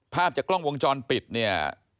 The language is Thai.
ภาพจากกล้องวงจรปิดเนี่ย